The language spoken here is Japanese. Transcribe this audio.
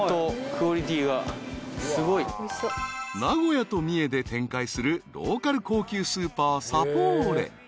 ［名古屋と三重で展開するローカル高級スーパー］